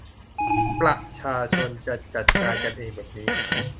ประชาชนจะจัดการกันเองแบบนี้